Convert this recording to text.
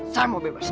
saya mau bebas